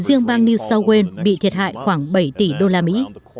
riêng bang new south wales bị thiệt hại khoảng bảy tỷ đô la mỹ